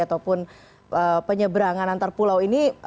ataupun penyeberangan antar pulau ini